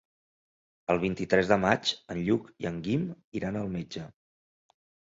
El vint-i-tres de maig en Lluc i en Guim iran al metge.